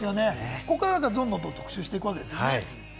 こっからどんどん特集していくわけですよね。